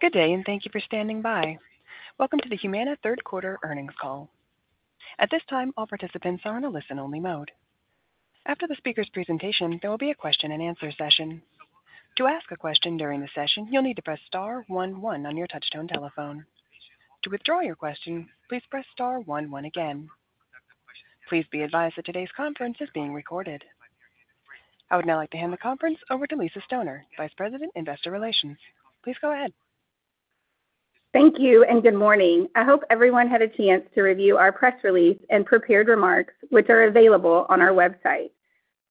Good day, and thank you for standing by. Welcome to the Humana Third Quarter Earnings Call. At this time, all participants are in a listen-only mode. After the speaker's presentation, there will be a question-and-answer session. To ask a question during the session, you'll need to press star one one on your touch-tone telephone. To withdraw your question, please press star one one again. Please be advised that today's conference is being recorded. I would now like to hand the conference over to Lisa Stoner, Vice President, Investor Relations. Please go ahead. Thank you, and good morning. I hope everyone had a chance to review our press release and prepared remarks, which are available on our website.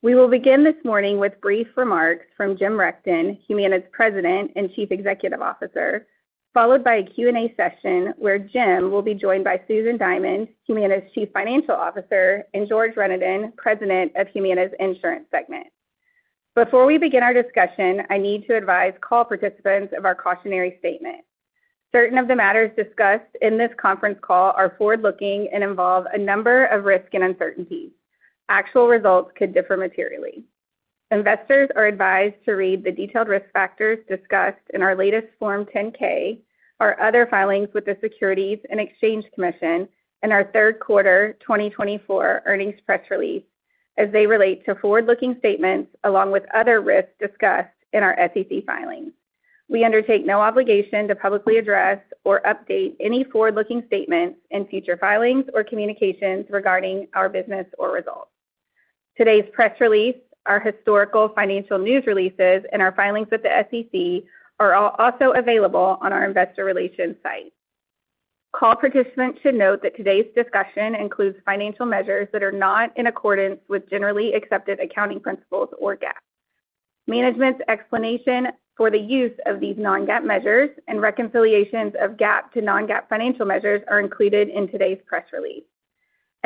We will begin this morning with brief remarks from Jim Rechtin, Humana's President and Chief Executive Officer, followed by a Q&A session where Jim will be joined by Susan Diamond, Humana's Chief Financial Officer, and George Renaudin, President of Humana's Insurance Segment. Before we begin our discussion, I need to advise call participants of our cautionary statement. Certain of the matters discussed in this conference call are forward-looking and involve a number of risks and uncertainties. Actual results could differ materially. Investors are advised to read the detailed risk factors discussed in our latest Form 10-K, our other filings with the Securities and Exchange Commission, and our Third Quarter 2024 Earnings Press Release as they relate to forward-looking statements along with other risks discussed in our SEC filings. We undertake no obligation to publicly address or update any forward-looking statements in future filings or communications regarding our business or results. Today's press release, our historical financial news releases, and our filings with the SEC are also available on our Investor Relations site. Call participants should note that today's discussion includes financial measures that are not in accordance with generally accepted accounting principles or GAAP. Management's explanation for the use of these non-GAAP measures and reconciliations of GAAP to non-GAAP financial measures are included in today's press release.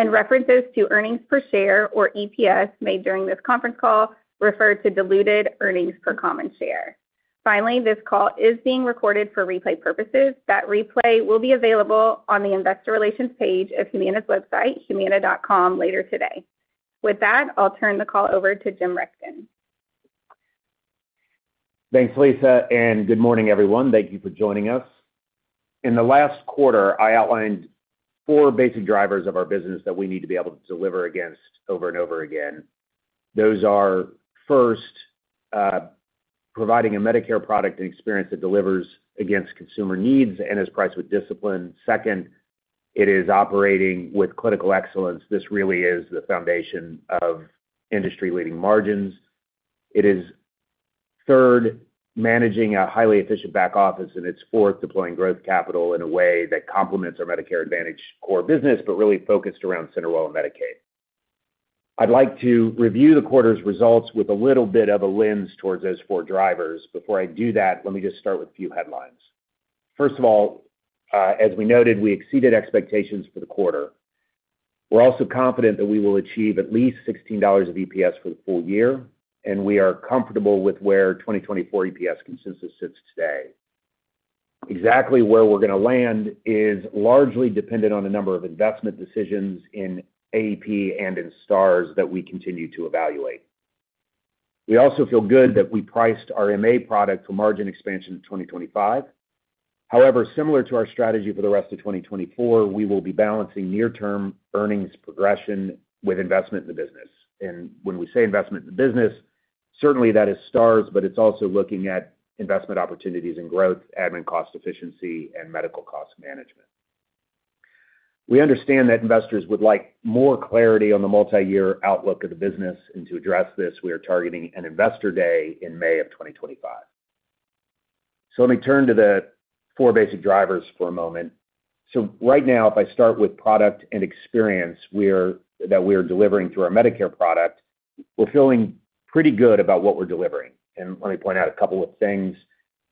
References to earnings per share, or EPS, made during this conference call refer to diluted earnings per common share. Finally, this call is being recorded for replay purposes. That replay will be available on the Investor Relations page of Humana's website, humana.com, later today. With that, I'll turn the call over to Jim Rechtin. Thanks, Lisa, and good morning, everyone. Thank you for joining us. In the last quarter, I outlined four basic drivers of our business that we need to be able to deliver against over and over again. Those are, first, providing a Medicare product and experience that delivers against consumer needs and is priced with discipline. Second, it is operating with clinical excellence. This really is the foundation of industry-leading margins. It is, third, managing a highly efficient back office, and it's, fourth, deploying growth capital in a way that complements our Medicare Advantage core business but really focused around CenterWell and Medicaid. I'd like to review the quarter's results with a little bit of a lens towards those four drivers. Before I do that, let me just start with a few headlines. First of all, as we noted, we exceeded expectations for the quarter. We're also confident that we will achieve at least $16 of EPS for the full year, and we are comfortable with where 2024 EPS consensus sits today. Exactly where we're going to land is largely dependent on the number of investment decisions in AEP and in Stars that we continue to evaluate. We also feel good that we priced our MA product for margin expansion in 2025. However, similar to our strategy for the rest of 2024, we will be balancing near-term earnings progression with investment in the business, and when we say investment in the business, certainly that is Stars, but it's also looking at investment opportunities and growth, admin cost efficiency, and medical cost management. We understand that investors would like more clarity on the multi-year outlook of the business, and to address this, we are targeting an investor day in May of 2025. Let me turn to the four basic drivers for a moment. Right now, if I start with product and experience that we are delivering through our Medicare product, we're feeling pretty good about what we're delivering. Let me point out a couple of things.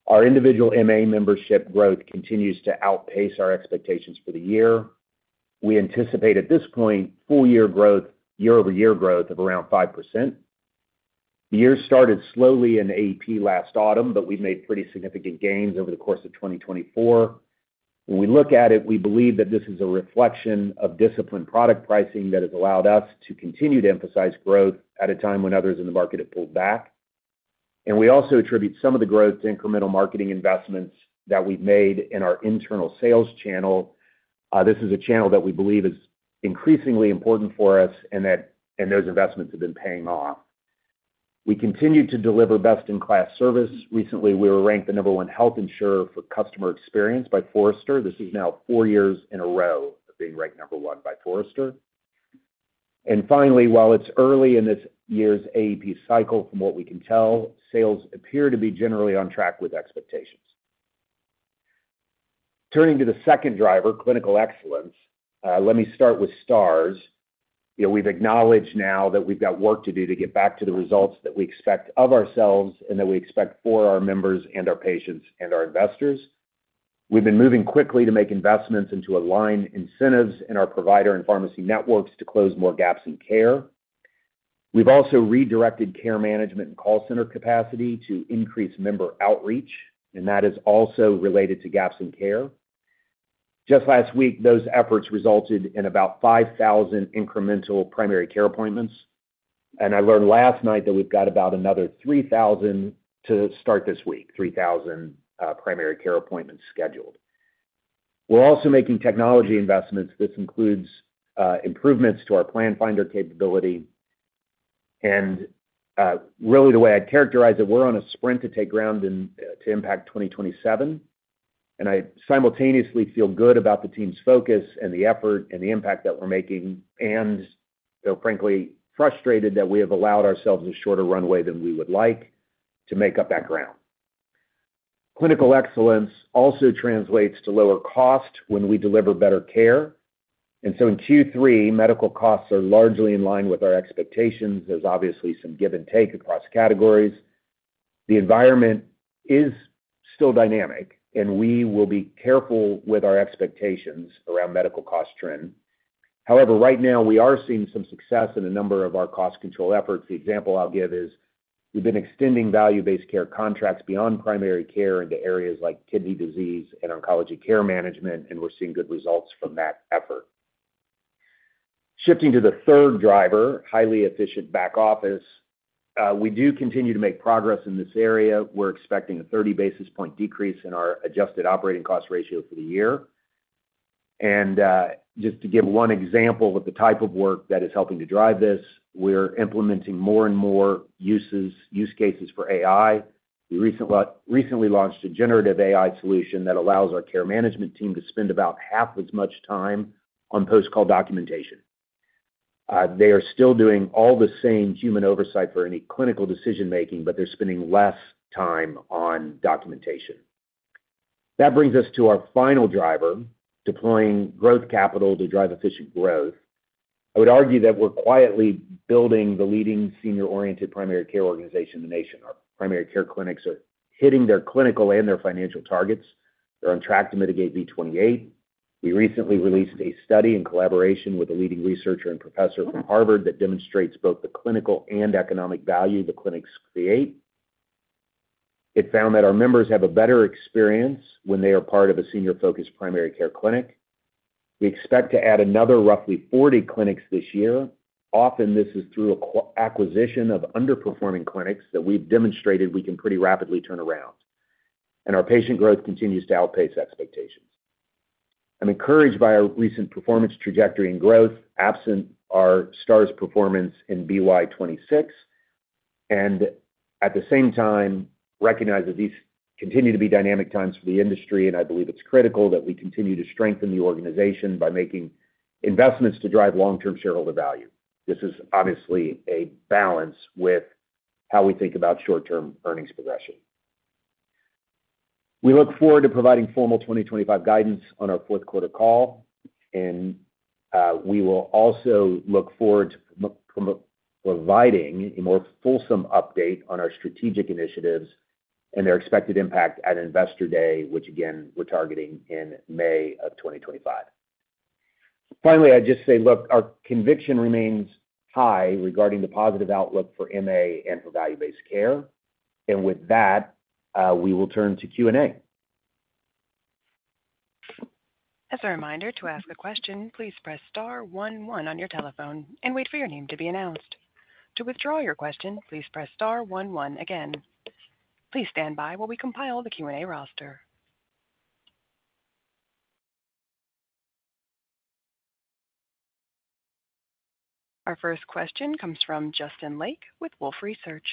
Our individual MA membership growth continues to outpace our expectations for the year. We anticipate, at this point, full-year growth, year-over-year growth of around 5%. The year started slowly in AEP last autumn, but we've made pretty significant gains over the course of 2024. When we look at it, we believe that this is a reflection of disciplined product pricing that has allowed us to continue to emphasize growth at a time when others in the market have pulled back. We also attribute some of the growth to incremental marketing investments that we've made in our internal sales channel. This is a channel that we believe is increasingly important for us, and those investments have been paying off. We continue to deliver best-in-class service. Recently, we were ranked the number one health insurer for customer experience by Forrester. This is now four years in a row of being ranked number one by Forrester. And finally, while it's early in this year's AEP cycle, from what we can tell, sales appear to be generally on track with expectations. Turning to the second driver, clinical excellence, let me start with Stars. We've acknowledged now that we've got work to do to get back to the results that we expect of ourselves and that we expect for our members and our patients and our investors. We've been moving quickly to make investments and to align incentives in our provider and pharmacy networks to close more gaps in care. We've also redirected care management and call center capacity to increase member outreach, and that is also related to gaps in care. Just last week, those efforts resulted in about 5,000 incremental primary care appointments. I learned last night that we've got about another 3,000 to start this week, 3,000 primary care appointments scheduled. We're also making technology investments. This includes improvements to our Plan Finder capability. Really, the way I'd characterize it, we're on a sprint to take ground to impact 2027. I simultaneously feel good about the team's focus and the effort and the impact that we're making and, frankly, frustrated that we have allowed ourselves a shorter runway than we would like to make up that ground. Clinical excellence also translates to lower cost when we deliver better care. In Q3, medical costs are largely in line with our expectations. There's obviously some give and take across categories. The environment is still dynamic, and we will be careful with our expectations around medical cost trends. However, right now, we are seeing some success in a number of our cost control efforts. The example I'll give is we've been extending value-based care contracts beyond primary care into areas like kidney disease and oncology care management, and we're seeing good results from that effort. Shifting to the third driver, highly efficient back office, we do continue to make progress in this area. We're expecting a 30 basis points decrease in our adjusted operating cost ratio for the year. And just to give one example of the type of work that is helping to drive this, we're implementing more and more use cases for AI. We recently launched a generative AI solution that allows our care management team to spend about half as much time on post-call documentation. They are still doing all the same human oversight for any clinical decision-making, but they're spending less time on documentation. That brings us to our final driver, deploying growth capital to drive efficient growth. I would argue that we're quietly building the leading senior-oriented primary care organization in the nation. Our primary care clinics are hitting their clinical and their financial targets. They're on track to mitigate V28. We recently released a study in collaboration with a leading researcher and professor from Harvard that demonstrates both the clinical and economic value the clinics create. It found that our members have a better experience when they are part of a senior-focused primary care clinic. We expect to add another roughly 40 clinics this year. Often, this is through acquisition of underperforming clinics that we've demonstrated we can pretty rapidly turn around. And our patient growth continues to outpace expectations. I'm encouraged by our recent performance trajectory and growth, absent our Stars performance in BY26. And at the same time, recognize that these continue to be dynamic times for the industry, and I believe it's critical that we continue to strengthen the organization by making investments to drive long-term shareholder value. This is obviously a balance with how we think about short-term earnings progression. We look forward to providing formal 2025 guidance on our fourth quarter call, and we will also look forward to providing a more fulsome update on our strategic initiatives and their expected impact at Investor Day, which, again, we're targeting in May of 2025. Finally, I'd just say, look, our conviction remains high regarding the positive outlook for MA and for value-based care. And with that, we will turn to Q&A. As a reminder to ask a question, please press star one one on your telephone and wait for your name to be announced. To withdraw your question, please press star one one again. Please stand by while we compile the Q&A roster. Our first question comes from Justin Lake with Wolfe Research.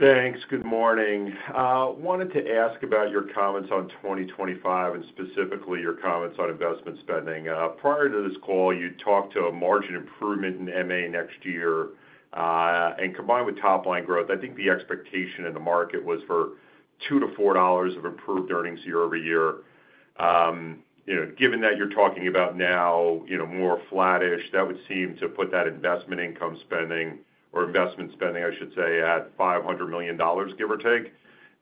Thanks. Good morning. I wanted to ask about your comments on 2025 and specifically your comments on investment spending. Prior to this call, you talked to a margin improvement in MA next year. And combined with top-line growth, I think the expectation in the market was for $2-$4 of improved earnings year over year. Given that you're talking about now more flattish, that would seem to put that investment income spending, or investment spending, I should say, at $500 million, give or take.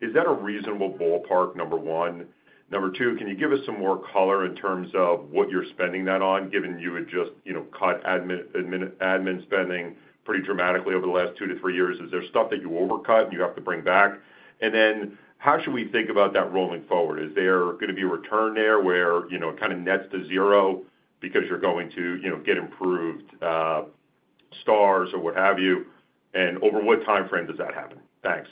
Is that a reasonable ballpark, number one? Number two, can you give us some more color in terms of what you're spending that on, given you had just cut admin spending pretty dramatically over the last two to three years? Is there stuff that you overcut and you have to bring back? And then how should we think about that rolling forward? Is there going to be a return there where it kind of nets to zero because you're going to get improved Stars or what have you? And over what timeframe does that happen? Thanks.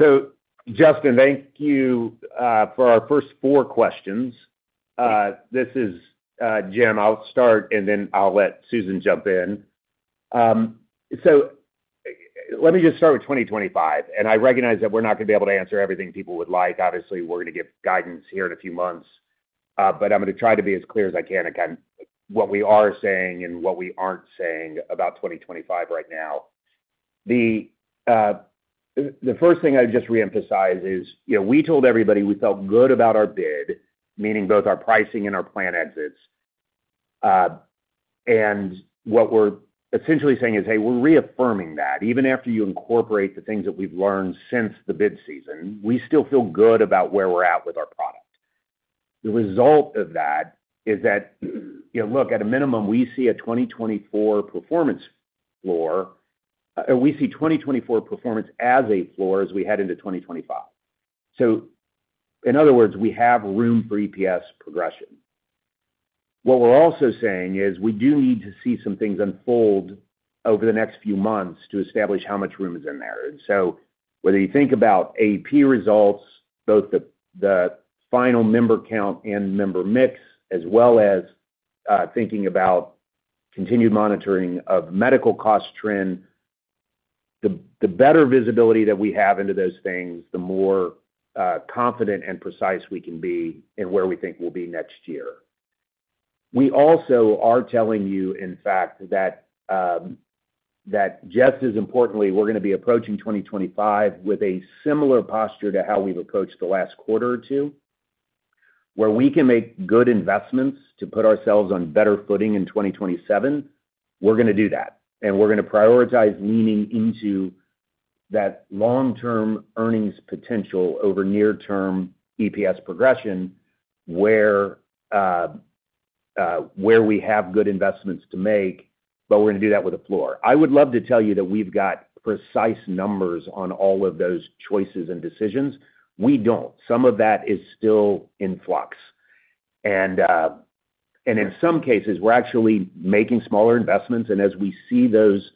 So Justin, thank you for our first four questions. This is Jim. I'll start, and then I'll let Susan jump in. So let me just start with 2025. And I recognize that we're not going to be able to answer everything people would like. Obviously, we're going to give guidance here in a few months. But I'm going to try to be as clear as I can on what we are saying and what we aren't saying about 2025 right now. The first thing I would just reemphasize is we told everybody we felt good about our bid, meaning both our pricing and our plan exits. And what we're essentially saying is, hey, we're reaffirming that. Even after you incorporate the things that we've learned since the bid season, we still feel good about where we're at with our product. The result of that is that, look, at a minimum, we see a 2024 performance floor or we see 2024 performance as a floor as we head into 2025. So in other words, we have room for EPS progression. What we're also saying is we do need to see some things unfold over the next few months to establish how much room is in there. And so whether you think about AEP results, both the final member count and member mix, as well as thinking about continued monitoring of medical cost trend, the better visibility that we have into those things, the more confident and precise we can be in where we think we'll be next year. We also are telling you, in fact, that just as importantly, we're going to be approaching 2025 with a similar posture to how we've approached the last quarter or two. Where we can make good investments to put ourselves on better footing in 2027, we're going to do that. And we're going to prioritize leaning into that long-term earnings potential over near-term EPS progression where we have good investments to make, but we're going to do that with a floor. I would love to tell you that we've got precise numbers on all of those choices and decisions. We don't. Some of that is still in flux. And in some cases, we're actually making smaller investments. And as we see those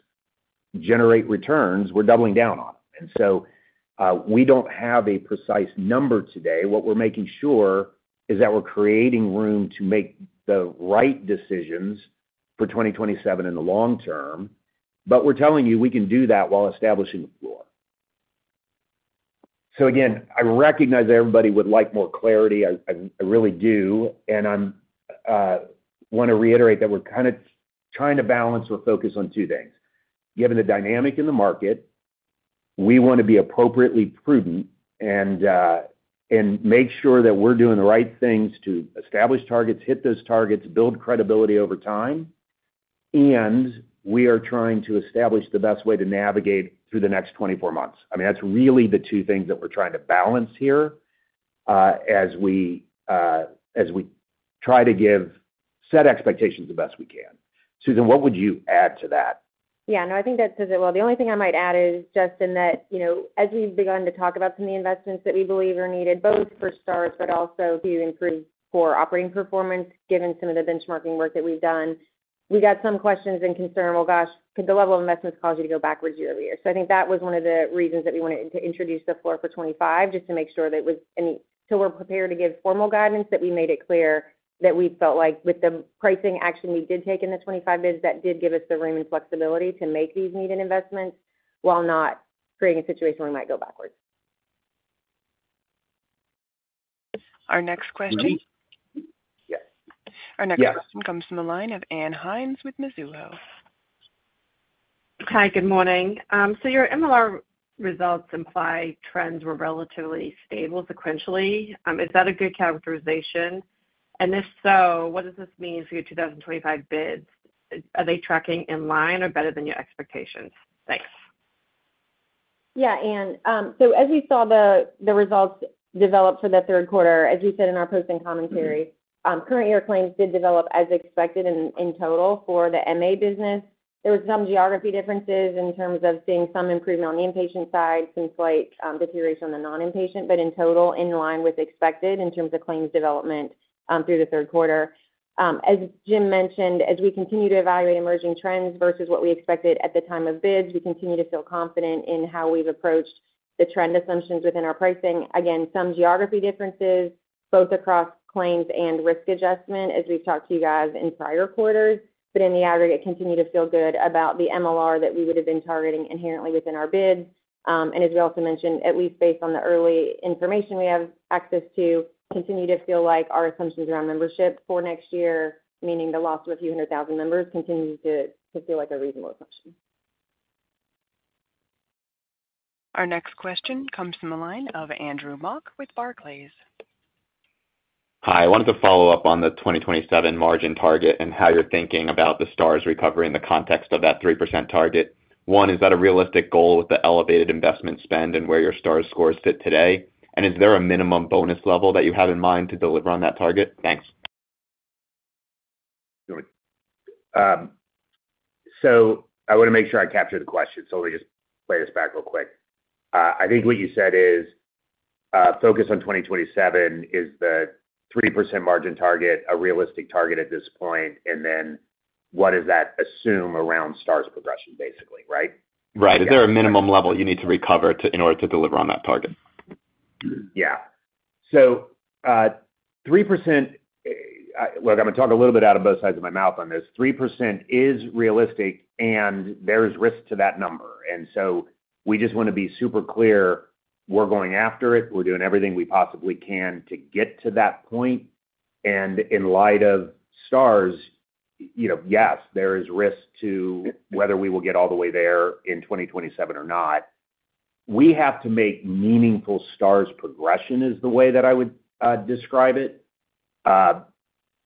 generate returns, we're doubling down on them. And so we don't have a precise number today. What we're making sure is that we're creating room to make the right decisions for 2027 in the long term. But we're telling you we can do that while establishing a floor. So again, I recognize everybody would like more clarity. I really do. And I want to reiterate that we're kind of trying to balance or focus on two things. Given the dynamic in the market, we want to be appropriately prudent and make sure that we're doing the right things to establish targets, hit those targets, build credibility over time. And we are trying to establish the best way to navigate through the next 24 months. I mean, that's really the two things that we're trying to balance here as we try to set expectations the best we can. Susan, what would you add to that? Yeah. No, I think that's a good. Well, the only thing I might add is, Justin, that as we've begun to talk about some of the investments that we believe are needed, both for Stars, but also to improve core operating performance, given some of the benchmarking work that we've done, we got some questions and concerns. Well, gosh, could the level of investments cause you to go backwards year over year? So I think that was one of the reasons that we wanted to introduce the floor for 2025, just to make sure that it was, so we're prepared to give formal guidance that we made it clear that we felt like with the pricing action we did take in the 2025 bids, that did give us the room and flexibility to make these needed investments while not creating a situation where we might go backwards. Our next question. Yes. Our next question comes from the line of Ann Hynes with Mizuho. Hi, good morning. So your MLR results imply trends were relatively stable sequentially. Is that a good characterization? And if so, what does this mean for your 2025 bids? Are they tracking in line or better than your expectations? Thanks. Yeah, Anne. So as we saw the results develop for the third quarter, as you said in our posting commentary, current year claims did develop as expected in total for the MA business. There were some geography differences in terms of seeing some improvement on the inpatient side, some slight deterioration on the non-inpatient, but in total, in line with expected in terms of claims development through the third quarter. As Jim mentioned, as we continue to evaluate emerging trends versus what we expected at the time of bids, we continue to feel confident in how we've approached the trend assumptions within our pricing. Again, some geography differences both across claims and risk adjustment as we've talked to you guys in prior quarters, but in the aggregate, continue to feel good about the MLR that we would have been targeting inherently within our bids. And as we also mentioned, at least based on the early information we have access to, continue to feel like our assumptions around membership for next year, meaning the loss of a few hundred thousand members, continues to feel like a reasonable assumption. Our next question comes from the line of Andrew Mok with Barclays. Hi. I wanted to follow up on the 2027 margin target and how you're thinking about the Stars recovery in the context of that 3% target. One, is that a realistic goal with the elevated investment spend and where your Stars scores sit today? And is there a minimum bonus level that you have in mind to deliver on that target? Thanks. Good morning. So I want to make sure I capture the question. So let me just play this back real quick. I think what you said is focus on 2027, is the 3% margin target a realistic target at this point? And then what does that assume around Stars progression, basically, right? Right. Is there a minimum level you need to recover in order to deliver on that target? Yeah. So 3%, look, I'm going to talk a little bit out of both sides of my mouth on this. 3% is realistic, and there is risk to that number. And so we just want to be super clear, we're going after it. We're doing everything we possibly can to get to that point. And in light of Stars, yes, there is risk to whether we will get all the way there in 2027 or not. We have to make meaningful Stars progression, is the way that I would describe it.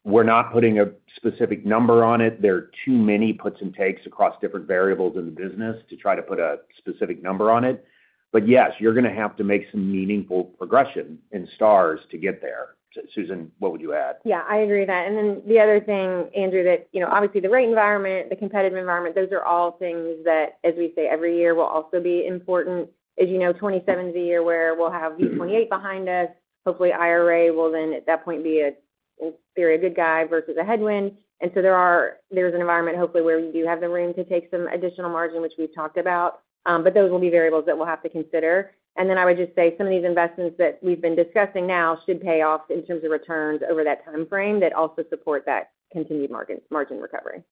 We're not putting a specific number on it. There are too many puts and takes across different variables in the business to try to put a specific number on it. But yes, you're going to have to make some meaningful progression in Stars to get there. Susan, what would you add? Yeah, I agree with that. And then the other thing, Andrew, that obviously the rate environment, the competitive environment, those are all things that, as we say, every year will also be important. As you know, 2027 is a year where we'll have V28 behind us. Hopefully, IRA will then, at that point, be a good guy versus a headwind. And so there is an environment, hopefully, where we do have the room to take some additional margin, which we've talked about. But those will be variables that we'll have to consider. And then I would just say some of these investments that we've been discussing now should pay off in terms of returns over that timeframe that also support that continued margin recovery.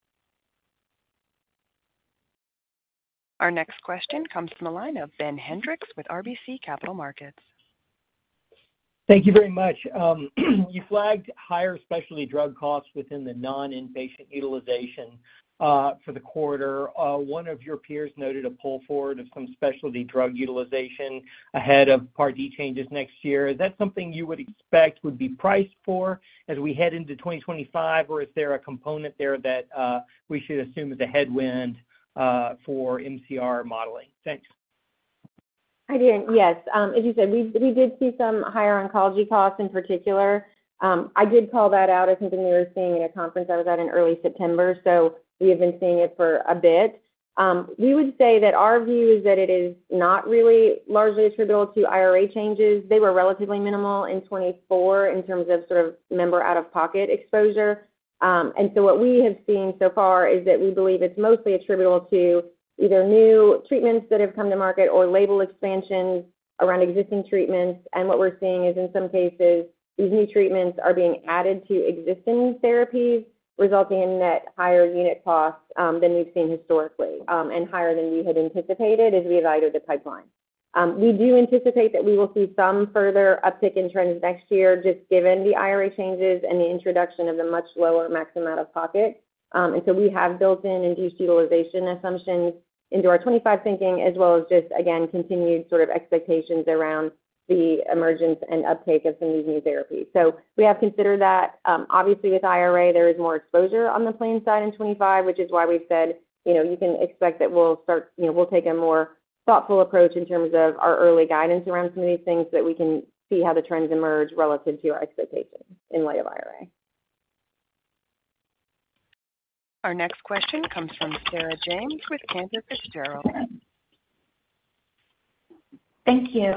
Our next question comes from the line of Ben Hendrix with RBC Capital Markets. Thank you very much. You flagged higher specialty drug costs within the non-inpatient utilization for the quarter. One of your peers noted a pull forward of some specialty drug utilization ahead of Part D changes next year. Is that something you would expect would be priced for as we head into 2025, or is there a component there that we should assume is a headwind for MCR modeling? Thanks. I didn't. Yes. As you said, we did see some higher oncology costs in particular. I did call that out as something we were seeing at a conference I was at in early September. So we have been seeing it for a bit. We would say that our view is that it is not really largely attributable to IRA changes. They were relatively minimal in 2024 in terms of sort of member out-of-pocket exposure. And so what we have seen so far is that we believe it's mostly attributable to either new treatments that have come to market or label expansions around existing treatments. And what we're seeing is, in some cases, these new treatments are being added to existing therapies, resulting in net higher unit costs than we've seen historically and higher than we had anticipated as we evaluated the pipeline. We do anticipate that we will see some further uptick in trends next year, just given the IRA changes and the introduction of the much lower maximum out-of-pocket, and so we have built-in induced utilization assumptions into our 2025 thinking, as well as just, again, continued sort of expectations around the emergence and uptake of some of these new therapies, so we have considered that. Obviously, with IRA, there is more exposure on the plan side in 2025, which is why we've said you can expect that we'll take a more thoughtful approach in terms of our early guidance around some of these things so that we can see how the trends emerge relative to our expectations in light of IRA. Our next question comes from Sarah James with Cantor Fitzgerald. Thank you.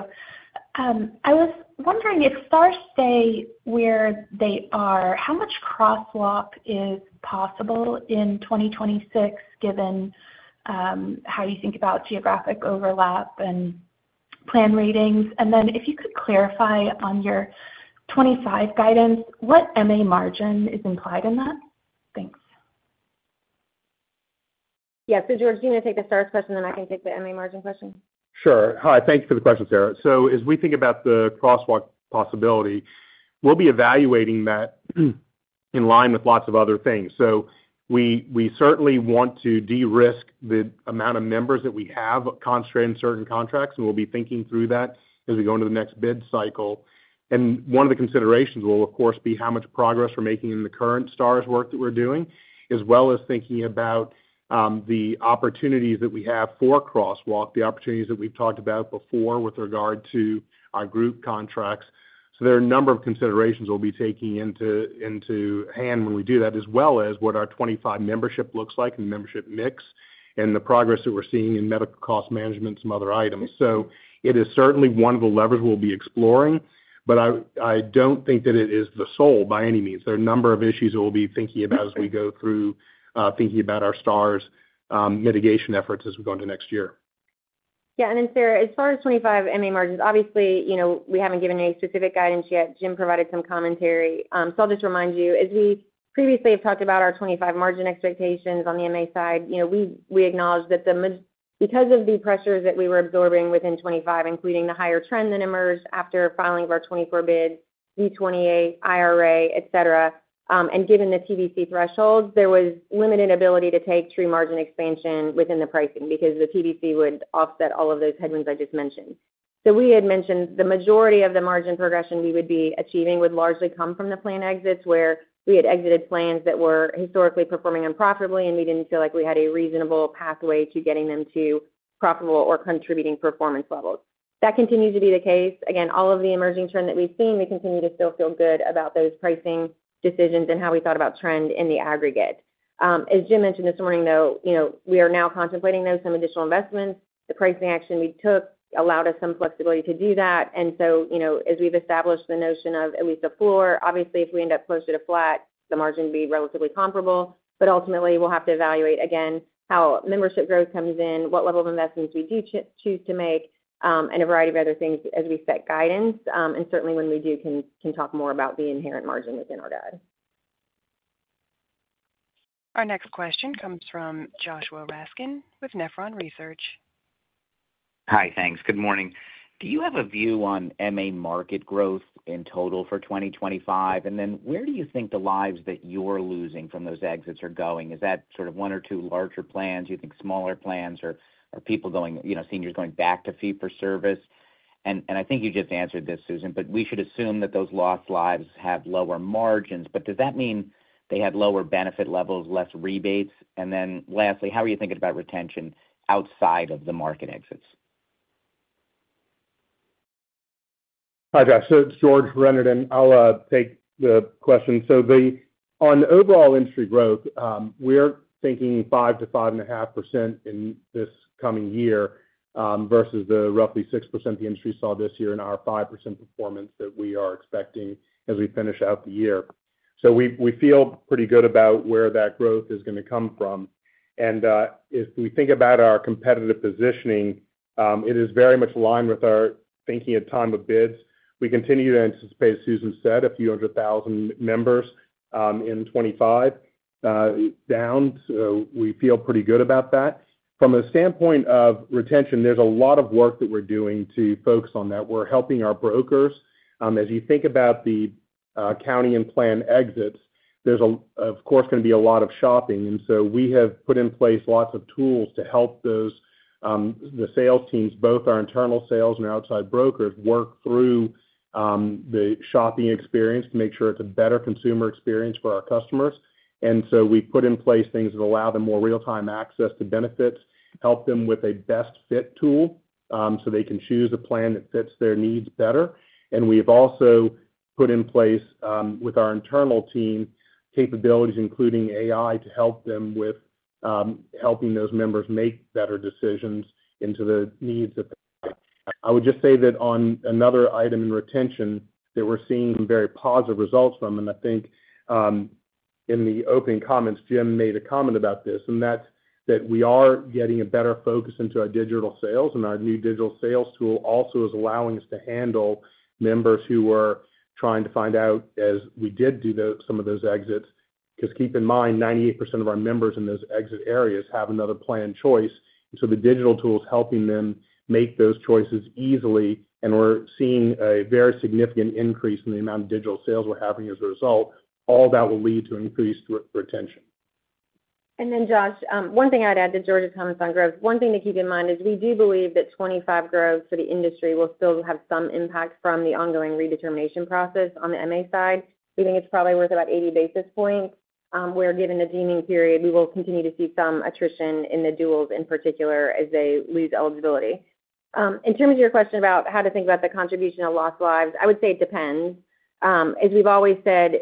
I was wondering if Stars stay where they are, how much crosswalk is possible in 2026, given how you think about geographic overlap and plan readings? And then if you could clarify on your 2025 guidance, what MA margin is implied in that? Thanks. Yeah. So George, do you want to take the Star question, then I can take the MA margin question? Sure. Hi. Thank you for the question, Sarah, so as we think about the crosswalk possibility, we'll be evaluating that in line with lots of other things, so we certainly want to de-risk the amount of members that we have concentrated in certain contracts, and we'll be thinking through that as we go into the next bid cycle, and one of the considerations will, of course, be how much progress we're making in the current Stars work that we're doing, as well as thinking about the opportunities that we have for crosswalk, the opportunities that we've talked about before with regard to our group contracts, so there are a number of considerations we'll be taking into hand when we do that, as well as what our 2025 membership looks like and membership mix and the progress that we're seeing in medical cost management and some other items. So it is certainly one of the levers we'll be exploring, but I don't think that it is the sole by any means. There are a number of issues that we'll be thinking about as we go through thinking about our STAR mitigation efforts as we go into next year. Yeah. And then, Sarah, as far as 2025 MA margins, obviously, we haven't given any specific guidance yet. Jim provided some commentary. So I'll just remind you, as we previously have talked about our 2025 margin expectations on the MA side, we acknowledge that because of the pressures that we were absorbing within 2025, including the higher trend that emerged after filing of our 2024 bids, V28, IRA, etc., and given the TBC thresholds, there was limited ability to take true margin expansion within the pricing because the TBC would offset all of those headwinds I just mentioned. So we had mentioned the majority of the margin progression we would be achieving would largely come from the plan exits where we had exited plans that were historically performing unprofitably, and we didn't feel like we had a reasonable pathway to getting them to profitable or contributing performance levels. That continues to be the case. Again, all of the emerging trend that we've seen, we continue to still feel good about those pricing decisions and how we thought about trend in the aggregate. As Jim mentioned this morning, though, we are now contemplating some additional investments. The pricing action we took allowed us some flexibility to do that. And so as we've established the notion of at least a floor, obviously, if we end up closer to flat, the margin would be relatively comparable. But ultimately, we'll have to evaluate again how membership growth comes in, what level of investments we do choose to make, and a variety of other things as we set guidance. And certainly, when we do, can talk more about the inherent margin within our guide. Our next question comes from Joshua Raskin with Nephron Research. Hi, thanks. Good morning. Do you have a view on MA market growth in total for 2025? And then where do you think the lives that you're losing from those exits are going? Is that sort of one or two larger plans? Do you think smaller plans or are seniors going back to fee-for-service? And I think you just answered this, Susan, but we should assume that those lost lives have lower margins. But does that mean they have lower benefit levels, less rebates? And then lastly, how are you thinking about retention outside of the market exits? Hi, Josh. So it's George Renaudin, and I'll take the question. So on overall industry growth, we're thinking 5-5.5% in this coming year versus the roughly 6% the industry saw this year in our 5% performance that we are expecting as we finish out the year. So we feel pretty good about where that growth is going to come from. And if we think about our competitive positioning, it is very much aligned with our thinking at time of bids. We continue to anticipate, as Susan said, a few hundred thousand members in 2025 down. So we feel pretty good about that. From the standpoint of retention, there's a lot of work that we're doing to focus on that. We're helping our brokers. As you think about the county and plan exits, there's, of course, going to be a lot of shopping. We have put in place lots of tools to help the sales teams, both our internal sales and our outside brokers, work through the shopping experience to make sure it's a better consumer experience for our customers. We put in place things that allow them more real-time access to benefits, help them with a best-fit tool so they can choose a plan that fits their needs better. We have also put in place with our internal team capabilities, including AI, to help them with helping those members make better decisions into the needs that they have. I would just say that on another item in retention that we're seeing very positive results from, and I think in the opening comments, Jim made a comment about this, and that's that we are getting a better focus into our digital sales, and our new digital sales tool also is allowing us to handle members who were trying to find out as we did do some of those exits. Because keep in mind, 98% of our members in those exit areas have another plan choice. And so the digital tool is helping them make those choices easily, and we're seeing a very significant increase in the amount of digital sales we're having as a result. All that will lead to increased retention. And then, Josh, one thing I'd add to George's comments on growth, one thing to keep in mind is we do believe that 2025 growth for the industry will still have some impact from the ongoing redetermination process on the MA side. We think it's probably worth about 80 basis points, where, given the deeming period, we will continue to see some attrition in the duals in particular as they lose eligibility. In terms of your question about how to think about the contribution of lost lives, I would say it depends. As we've always said,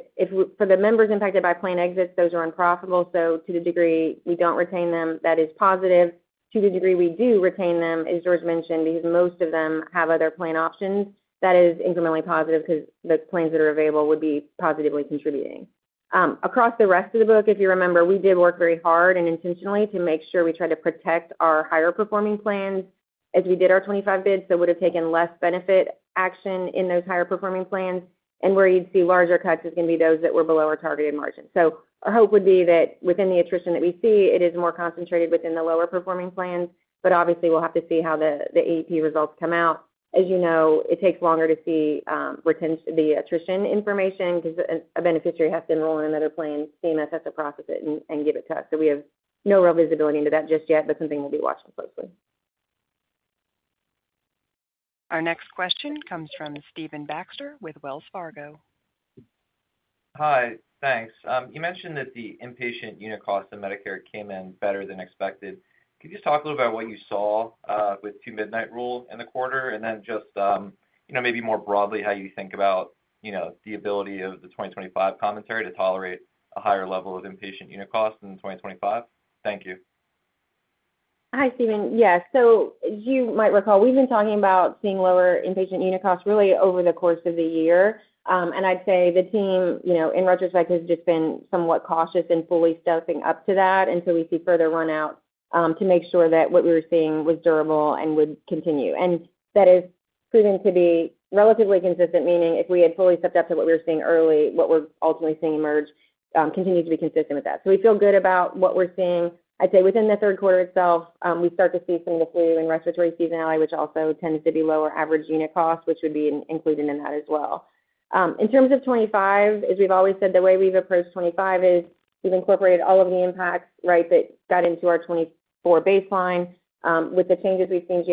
for the members impacted by plan exits, those are unprofitable. So to the degree we don't retain them, that is positive. To the degree we do retain them, as George mentioned, because most of them have other plan options, that is incrementally positive because the plans that are available would be positively contributing. Across the rest of the book, if you remember, we did work very hard and intentionally to make sure we tried to protect our higher-performing plans as we did our '25 bids, so it would have taken less benefit action in those higher-performing plans, and where you'd see larger cuts is going to be those that were below our targeted margin, so our hope would be that within the attrition that we see, it is more concentrated within the lower-performing plans, but obviously, we'll have to see how the AEP results come out. As you know, it takes longer to see the attrition information because a beneficiary has to enroll in another plan, CMS has to process it and give it to us, so we have no real visibility into that just yet, but something we'll be watching closely. Our next question comes from Stephen Baxter with Wells Fargo. Hi. Thanks. You mentioned that the inpatient unit costs in Medicare came in better than expected. Could you just talk a little bit about what you saw with the Two-Midnight Rule in the quarter and then just maybe more broadly how you think about the ability of the 2025 commentary to tolerate a higher level of inpatient unit costs in 2025? Thank you. Hi, Stephen. Yes. So you might recall we've been talking about seeing lower inpatient unit costs really over the course of the year, and I'd say the team, in retrospect, has just been somewhat cautious in fully stepping up to that until we see further run-out to make sure that what we were seeing was durable and would continue, and that has proven to be relatively consistent, meaning if we had fully stepped up to what we were seeing early, what we're ultimately seeing emerge continues to be consistent with that, so we feel good about what we're seeing. I'd say within the third quarter itself, we start to see some of the flu and respiratory seasonality, which also tends to be lower average unit costs, which would be included in that as well. In terms of 2025, as we've always said, the way we've approached 2025 is we've incorporated all of the impacts, right, that got into our 2024 baseline. With the changes we've seen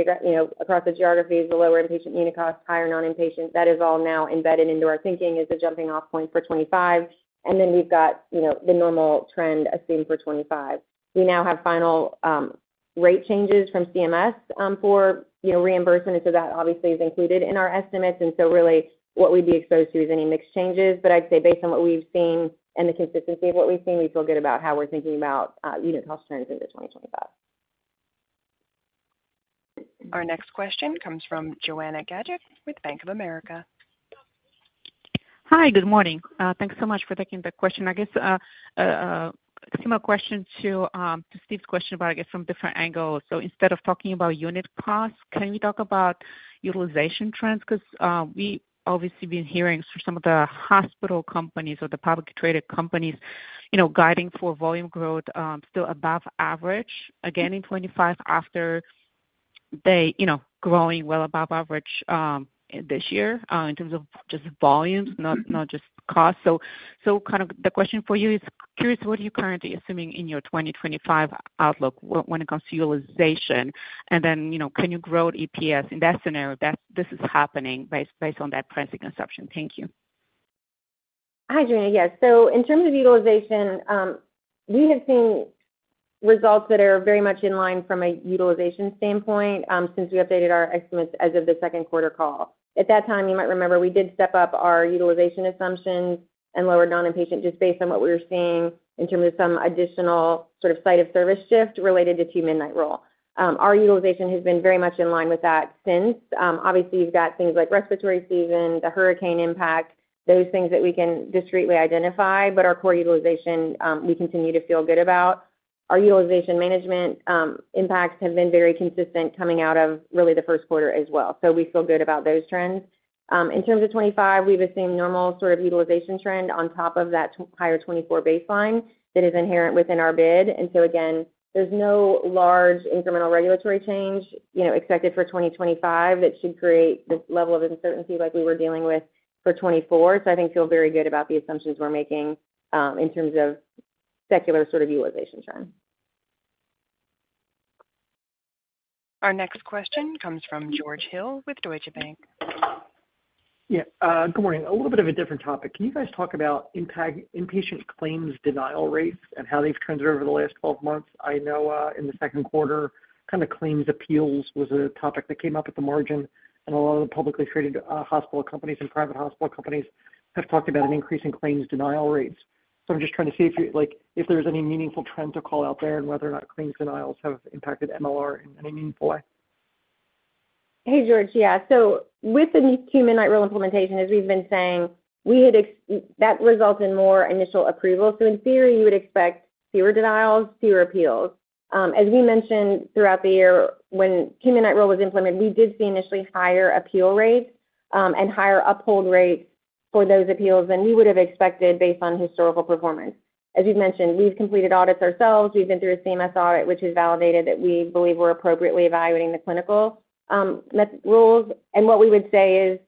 across the geographies, the lower inpatient unit costs, higher non-inpatient, that is all now embedded into our thinking as the jumping-off point for 2025, and then we've got the normal trend assumed for 2025. We now have final rate changes from CMS for reimbursement, and so that obviously is included in our estimates, and so really, what we'd be exposed to is any mixed changes. But I'd say based on what we've seen and the consistency of what we've seen, we feel good about how we're thinking about unit cost trends into 2025. Our next question comes from Joanna Gajuk with Bank of America. Hi. Good morning. Thanks so much for taking the question. I guess similar question to Steve's question about, I guess, from different angles, so instead of talking about unit costs, can we talk about utilization trends? Because we've obviously been hearing from some of the hospital companies or the publicly traded companies guiding for volume growth still above average again in 2025 after they're growing well above average this year in terms of just volumes, not just costs, so kind of the question for you is, curious, what are you currently assuming in your 2025 outlook when it comes to utilization? And then can you grow EPS in that scenario if this is happening based on that pricing assumption? Thank you. Hi, Joanna. Yes. So in terms of utilization, we have seen results that are very much in line from a utilization standpoint since we updated our estimates as of the second quarter call. At that time, you might remember we did step up our utilization assumptions and lower non-inpatient just based on what we were seeing in terms of some additional sort of site of service shift related to Two-Midnight Rule. Our utilization has been very much in line with that since. Obviously, you've got things like respiratory season, the hurricane impact, those things that we can discreetly identify. But our core utilization, we continue to feel good about. Our utilization management impacts have been very consistent coming out of really the first quarter as well. So we feel good about those trends. In terms of 2025, we've assumed normal sort of utilization trend on top of that higher 2024 baseline that is inherent within our bid. And so again, there's no large incremental regulatory change expected for 2025 that should create this level of uncertainty like we were dealing with for 2024. So I think we feel very good about the assumptions we're making in terms of secular sort of utilization trend. Our next question comes from George Hill with Deutsche Bank. Yeah. Good morning. A little bit of a different topic. Can you guys talk about impact inpatient claims denial rates and how they've trended over the last 12 months? I know in the second quarter, kind of claims appeals was a topic that came up at the margin, and a lot of the publicly traded hospital companies and private hospital companies have talked about an increase in claims denial rates. So I'm just trying to see if there's any meaningful trend to call out there and whether or not claims denials have impacted MLR in any meaningful way. Hey, George. Yeah. So with the Two-Midnight Rule implementation, as we've been saying, that resulted in more initial approval. So in theory, you would expect fewer denials, fewer appeals. As we mentioned throughout the year, when Two-Midnight Rule was implemented, we did see initially higher appeal rates and higher uphold rates for those appeals than we would have expected based on historical performance. As you've mentioned, we've completed audits ourselves. We've been through a CMS audit, which has validated that we believe we're appropriately evaluating the clinical rules. And what we would say is,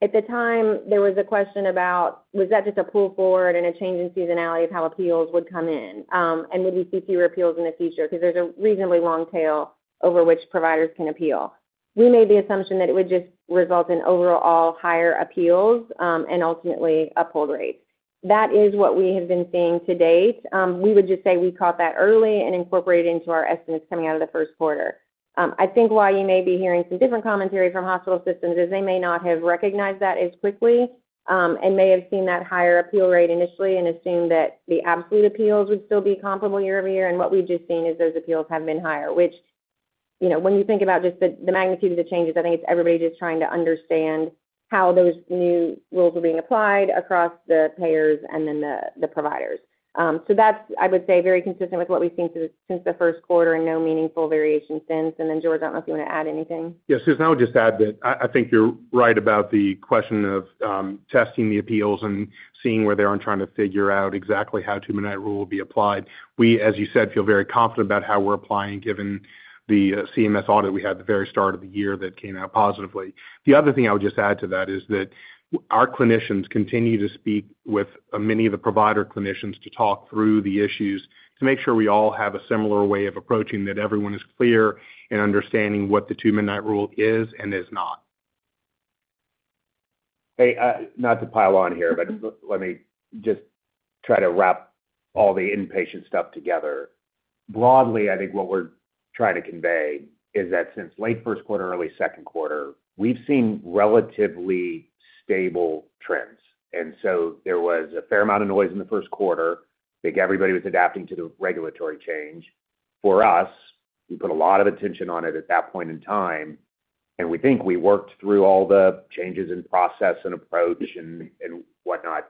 at the time, there was a question about, was that just a pull forward and a change in seasonality of how appeals would come in? And would we see fewer appeals in the future? Because there's a reasonably long tail over which providers can appeal. We made the assumption that it would just result in overall higher appeals and ultimately uphold rates. That is what we have been seeing to date. We would just say we caught that early and incorporated into our estimates coming out of the first quarter. I think why you may be hearing some different commentary from hospital systems is they may not have recognized that as quickly and may have seen that higher appeal rate initially and assumed that the absolute appeals would still be comparable year over year, and what we've just seen is those appeals have been higher, which when you think about just the magnitude of the changes, I think it's everybody just trying to understand how those new rules were being applied across the payers and then the providers. So that's, I would say, very consistent with what we've seen since the first quarter and no meaningful variation since. And then, George, I don't know if you want to add anything. Yeah. Susan, I would just add that I think you're right about the question of testing the appeals and seeing where they're on trying to figure out exactly how the Two-Midnight Rule will be applied. We, as you said, feel very confident about how we're applying given the CMS audit we had at the very start of the year that came out positively. The other thing I would just add to that is that our clinicians continue to speak with many of the provider clinicians to talk through the issues to make sure we all have a similar way of approaching that everyone is clear in understanding what the Two-Midnight Rule is and is not. Hey, not to pile on here, but let me just try to wrap all the inpatient stuff together. Broadly, I think what we're trying to convey is that since late first quarter, early second quarter, we've seen relatively stable trends, and so there was a fair amount of noise in the first quarter. I think everybody was adapting to the regulatory change. For us, we put a lot of attention on it at that point in time, and we think we worked through all the changes in process and approach and whatnot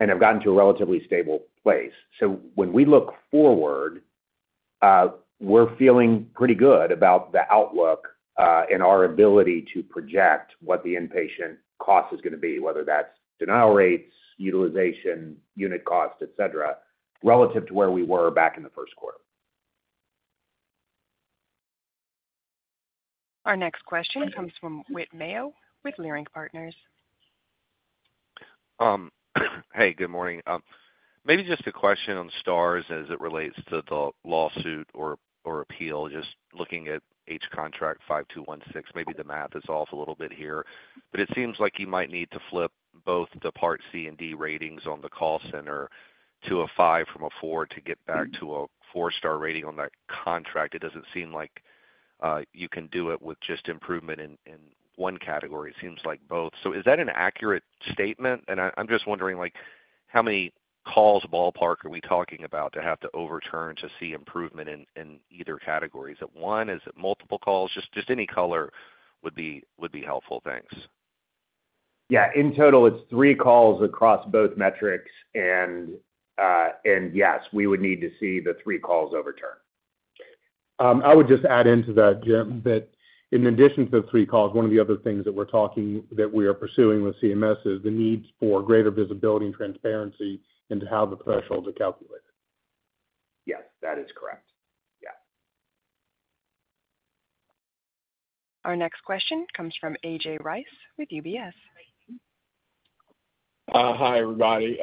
and have gotten to a relatively stable place. So when we look forward, we're feeling pretty good about the outlook and our ability to project what the inpatient cost is going to be, whether that's denial rates, utilization, unit cost, etc., relative to where we were back in the first quarter. Our next question comes from Whit Mayo with Leerink Partners. Hey, good morning. Maybe just a question on Stars as it relates to the lawsuit or appeal, just looking at Contract H5216. Maybe the math is off a little bit here. But it seems like you might need to flip both the Part C and D ratings on the call center to a 5 from a 4 to get back to a 4-star rating on that contract. It doesn't seem like you can do it with just improvement in one category. It seems like both. So is that an accurate statement? And I'm just wondering how many calls ballpark are we talking about to have to overturn to see improvement in either category? Is it one? Is it multiple calls? Just any color would be helpful. Thanks. Yeah. In total, it's three calls across both metrics. And yes, we would need to see the three calls overturned. I would just add into that, Jim, that in addition to the three calls, one of the other things that we're talking that we are pursuing with CMS is the need for greater visibility and transparency into how the thresholds are calculated. Yes, that is correct. Yeah. Our next question comes from A.J. Rice with UBS. Hi, everybody.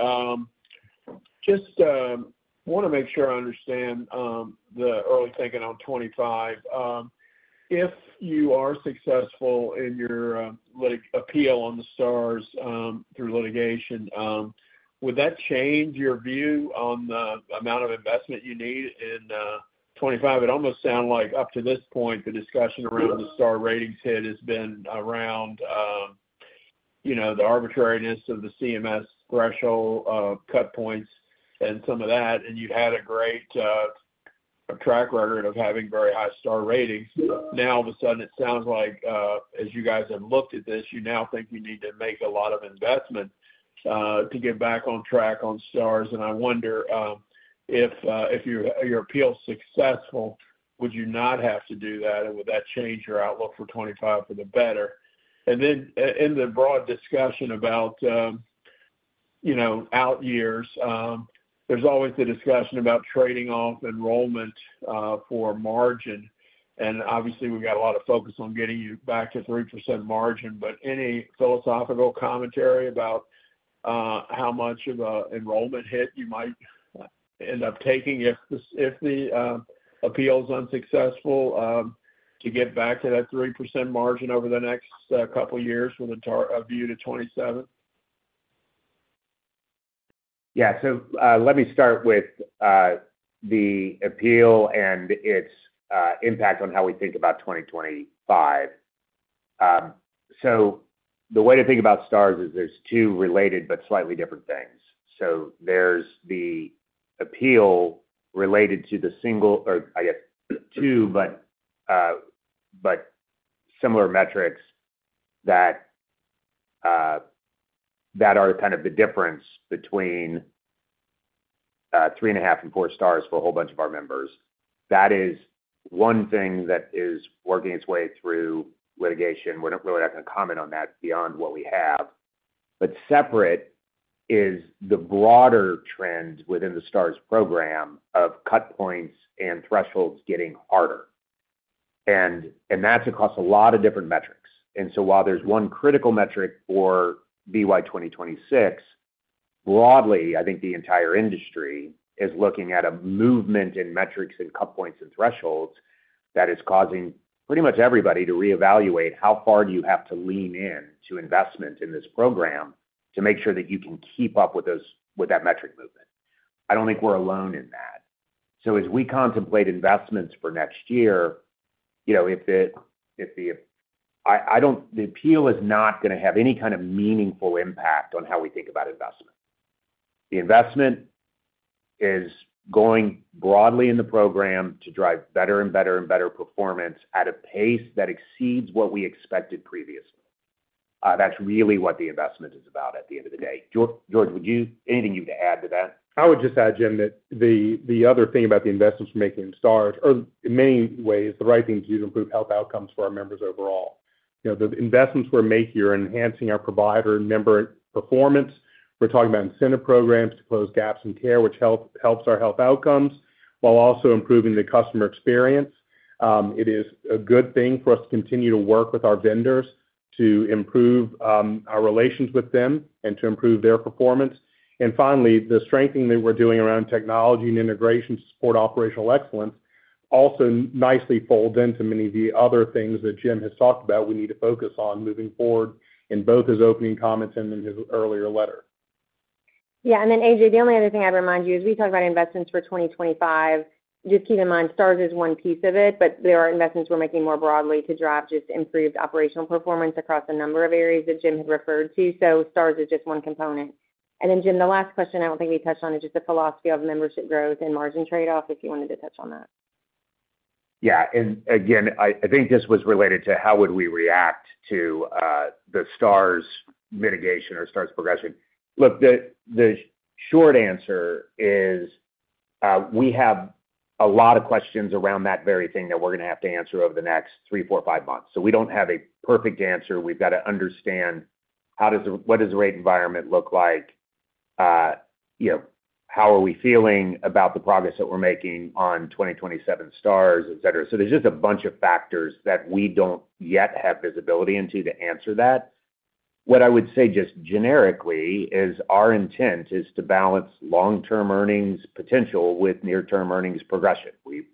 Just want to make sure I understand the early thinking on 2025. If you are successful in your appeal on the Stars through litigation, would that change your view on the amount of investment you need in 2025? It almost sounds like up to this point, the discussion around the Star Ratings hit has been around the arbitrariness of the CMS threshold of cut points and some of that. And you had a great track record of having very high Star Ratings. Now, all of a sudden, it sounds like as you guys have looked at this, you now think you need to make a lot of investment to get back on track on Stars. And I wonder if your appeal's successful, would you not have to do that? And would that change your outlook for 2025 for the better? And then in the broad discussion about out years, there's always the discussion about trading off enrollment for margin. And obviously, we've got a lot of focus on getting you back to 3% margin. But any philosophical commentary about how much of an enrollment hit you might end up taking if the appeal's unsuccessful to get back to that 3% margin over the next couple of years with a view to 2027? Yeah. So let me start with the appeal and its impact on how we think about 2025. So the way to think about Stars is there's two related but slightly different things. So there's the appeal related to the single or, I guess, two, but similar metrics that are kind of the difference between three and a half and four Stars for a whole bunch of our members. That is one thing that is working its way through litigation. We're not going to comment on that beyond what we have. But separate is the broader trend within the Stars program of cut points and thresholds getting harder. And that's across a lot of different metrics. And so while there's one critical metric for BY 2026, broadly, I think the entire industry is looking at a movement in metrics and cut points and thresholds that is causing pretty much everybody to reevaluate how far do you have to lean into investment in this program to make sure that you can keep up with that metric movement. I don't think we're alone in that. So as we contemplate investments for next year, if the appeal is not going to have any kind of meaningful impact on how we think about investment, the investment is going broadly in the program to drive better and better and better performance at a pace that exceeds what we expected previously. That's really what the investment is about at the end of the day. George, anything you would add to that? I would just add, Jim, that the other thing about the investments we're making in Stars is, in many ways, the right thing to do to improve health outcomes for our members overall. The investments we're making are enhancing our provider and member performance. We're talking about incentive programs to close gaps in care, which helps our health outcomes while also improving the customer experience. It is a good thing for us to continue to work with our vendors to improve our relations with them and to improve their performance. And finally, the strengthening that we're doing around technology and integration to support operational excellence also nicely folds into many of the other things that Jim has talked about we need to focus on moving forward in both his opening comments and in his earlier letter. Yeah. And then, AJ, the only other thing I'd remind you is we talked about investments for 2025. Just keep in mind, Stars is one piece of it, but there are investments we're making more broadly to drive just improved operational performance across a number of areas that Jim had referred to. So Stars is just one component. And then, Jim, the last question I don't think we touched on is just the philosophy of membership growth and margin trade-off if you wanted to touch on that. Yeah. And again, I think this was related to how would we react to the Stars mitigation or Stars progression. Look, the short answer is we have a lot of questions around that very thing that we're going to have to answer over the next three, four, five months. So we don't have a perfect answer. We've got to understand what does the rate environment look like? How are we feeling about the progress that we're making on 2027 Stars, etc.? So there's just a bunch of factors that we don't yet have visibility into to answer that. What I would say just generically is our intent is to balance long-term earnings potential with near-term earnings progression. We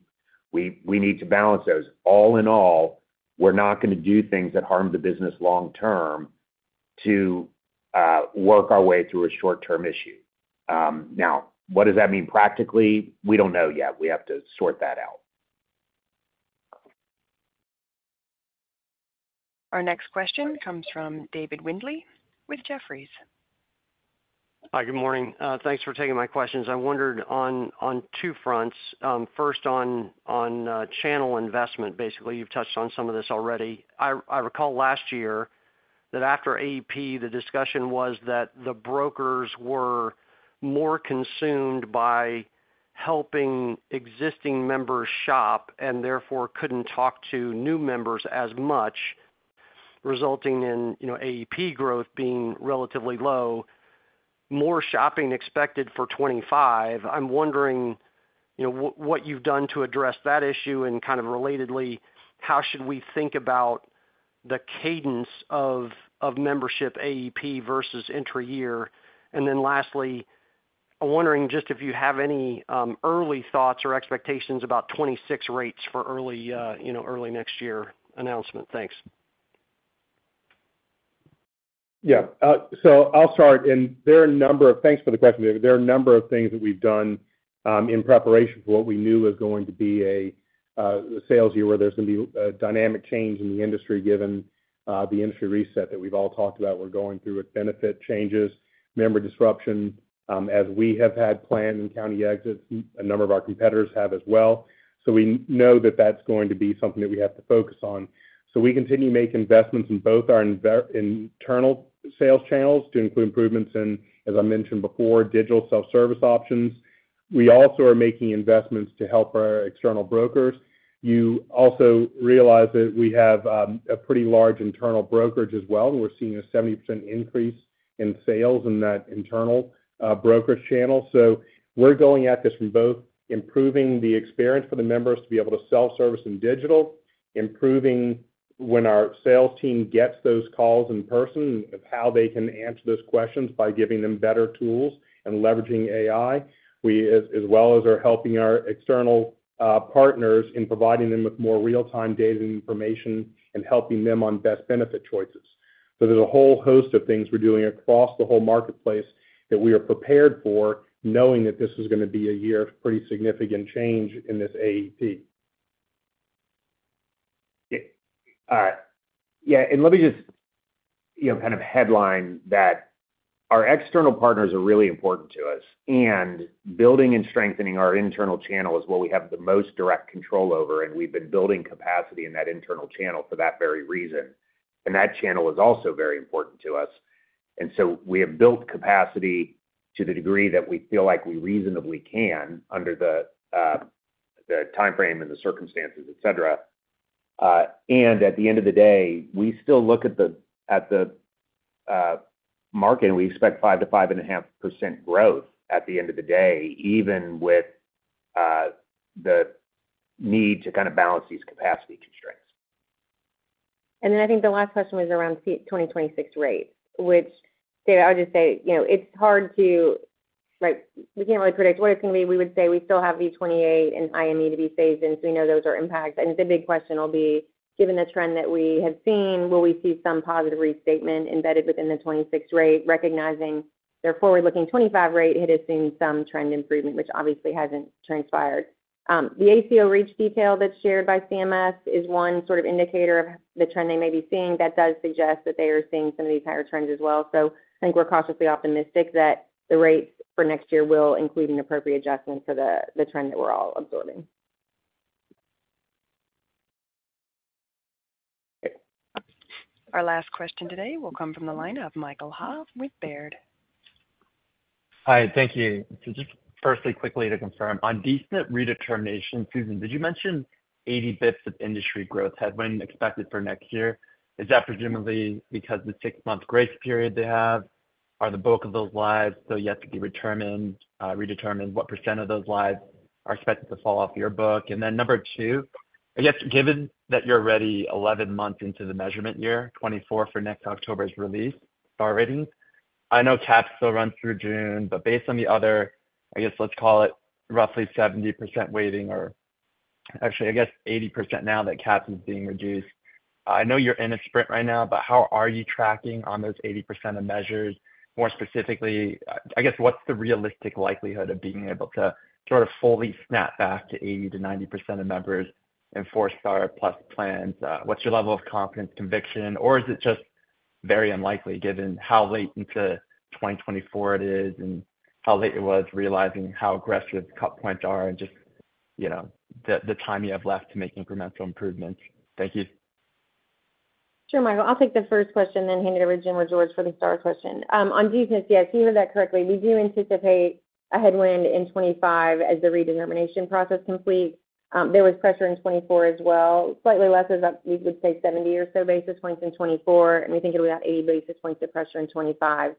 need to balance those. All in all, we're not going to do things that harm the business long-term to work our way through a short-term issue. Now, what does that mean practically? We don't know yet. We have to sort that out. Our next question comes from Dave Windley with Jefferies. Hi, good morning. Thanks for taking my questions. I wondered on two fronts. First, on channel investment, basically, you've touched on some of this already. I recall last year that after AEP, the discussion was that the brokers were more consumed by helping existing members shop and therefore couldn't talk to new members as much, resulting in AEP growth being relatively low. More shopping expected for 2025. I'm wondering what you've done to address that issue. And kind of relatedly, how should we think about the cadence of membership AEP versus intra-year? And then lastly, I'm wondering just if you have any early thoughts or expectations about 2026 rates for early next year announcement? Thanks. Yeah. So I'll start. Thanks for the question, David. There are a number of things that we've done in preparation for what we knew was going to be a sales year where there's going to be a dynamic change in the industry given the industry reset that we've all talked about. We're going through with benefit changes, member disruption, as we have had planned in county exits. A number of our competitors have as well. So we know that that's going to be something that we have to focus on. So we continue to make investments in both our internal sales channels to include improvements in, as I mentioned before, digital self-service options. We also are making investments to help our external brokers. You also realize that we have a pretty large internal brokerage as well. And we're seeing a 70% increase in sales in that internal brokerage channel. So we're going at this from both improving the experience for the members to be able to self-service and digital, improving when our sales team gets those calls in person, how they can answer those questions by giving them better tools and leveraging AI, as well as are helping our external partners in providing them with more real-time data and information and helping them on best benefit choices. So there's a whole host of things we're doing across the whole marketplace that we are prepared for, knowing that this is going to be a year of pretty significant change in this AEP. All right. Yeah. And let me just kind of headline that our external partners are really important to us. And building and strengthening our internal channel is what we have the most direct control over. And we've been building capacity in that internal channel for that very reason. And that channel is also very important to us. And so we have built capacity to the degree that we feel like we reasonably can under the timeframe and the circumstances, etc. And at the end of the day, we still look at the market, and we expect 5% to 5.5% growth at the end of the day, even with the need to kind of balance these capacity constraints. Then I think the last question was around 2026 rates, which, David, I would just say it's hard. We can't really predict what it's going to be. We would say we still have V28 and IME to be phased in. So we know those are impacts. And the big question will be, given the trend that we have seen, will we see some positive restatement embedded within the 2026 rate, recognizing their forward-looking 2025 rate hit has seen some trend improvement, which obviously hasn't transpired? The ACO REACH detail that's shared by CMS is one sort of indicator of the trend they may be seeing. That does suggest that they are seeing some of these higher trends as well. So I think we're cautiously optimistic that the rates for next year will include an appropriate adjustment for the trend that we're all absorbing. Our last question today will come from the line of Michael Ha with Baird. Hi. Thank you. So just firstly, quickly to confirm, on Medicaid redetermination, Susan, did you mention 80 basis points of industry growth headwind expected for next year? Is that presumably because the six-month grace period they have? Are the bulk of those lives still yet to be determined? What % of those lives are expected to fall off your book? And then number two, I guess, given that you're already 11 months into the measurement year, 2024 for next October's release Star Ratings, I know CAHPS still run through June. But based on the other, I guess, let's call it roughly 70% weighting or actually, I guess, 80% now that CAHPS is being reduced. I know you're in a sprint right now, but how are you tracking on those 80% of measures? More specifically, I guess, what's the realistic likelihood of being able to sort of fully snap back to 80%-90% of members and four-Star plus plans? What's your level of confidence, conviction? Or is it just very unlikely given how late into 2024 it is and how late it was realizing how aggressive Cut Points are and just the time you have left to make incremental improvements? Thank you. Sure, Michael. I'll take the first question and then hand it over to Jim or George for the Stars question. On D-SNP, yes, you heard that correctly. We do anticipate a headwind in 2025 as the redetermination process completes. There was pressure in 2024 as well, slightly less as we would say 70 or so basis points in 2024, and we think it'll be about 80 basis points of pressure in 2025.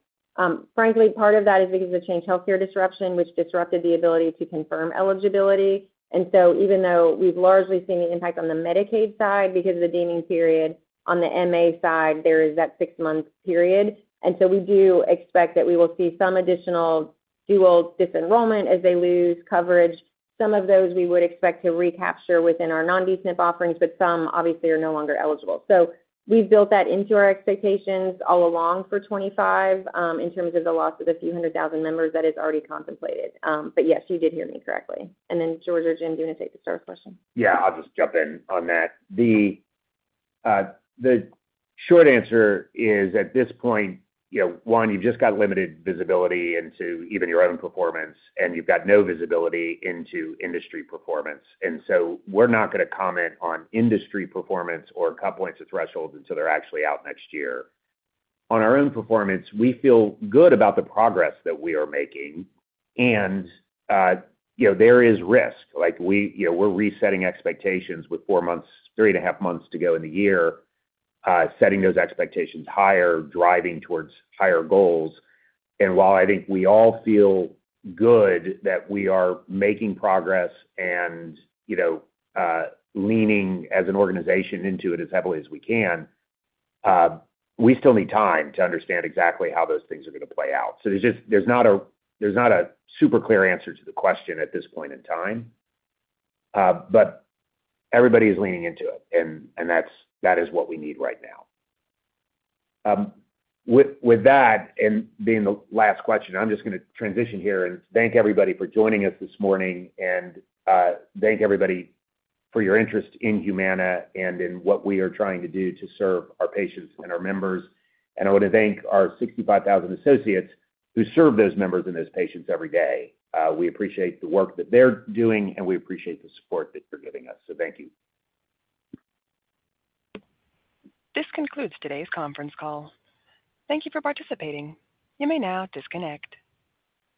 Frankly, part of that is because of the Change Healthcare disruption, which disrupted the ability to confirm eligibility, and so even though we've largely seen the impact on the Medicaid side because of the deeming period, on the MA side, there is that six-month period, and so we do expect that we will see some additional dual disenrollment as they lose coverage. Some of those we would expect to recapture within our non-D-SNP offerings, but some obviously are no longer eligible. So we've built that into our expectations all along for 2025 in terms of the loss of the few hundred thousand members that is already contemplated. But yes, you did hear me correctly, and then George or Jim, do you want to take the Stars question? Yeah, I'll just jump in on that. The short answer is at this point, one, you've just got limited visibility into even your own performance, and you've got no visibility into industry performance, and so we're not going to comment on industry performance or cut points or thresholds until they're actually out next year. On our own performance, we feel good about the progress that we are making, and there is risk. We're resetting expectations with three and a half months to go in the year, setting those expectations higher, driving towards higher goals, and while I think we all feel good that we are making progress and leaning as an organization into it as heavily as we can, we still need time to understand exactly how those things are going to play out. So there's not a super clear answer to the question at this point in time, but everybody is leaning into it. And that is what we need right now. With that, and being the last question, I'm just going to transition here and thank everybody for joining us this morning. And thank everybody for your interest in Humana and in what we are trying to do to serve our patients and our members. And I want to thank our 65,000 associates who serve those members and those patients every day. We appreciate the work that they're doing, and we appreciate the support that you're giving us. So thank you. This concludes today's conference call. Thank you for participating. You may now disconnect.